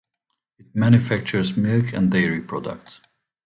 It manufactures milk and dairy products.